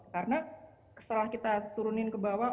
karena setelah kita turunin ke bawah